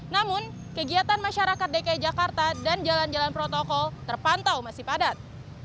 namun kegiatan masyarakat dki jakarta dan jalan jalan protokol terpantau masih padat